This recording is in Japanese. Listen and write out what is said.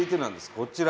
こちら。